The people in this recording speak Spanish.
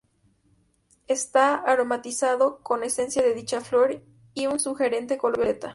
Está aromatizado con esencia de dicha flor y un sugerente color violeta.